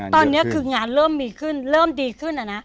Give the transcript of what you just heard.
ตอนนี้คืองานเริ่มมีขึ้นเริ่มดีขึ้นนะนะ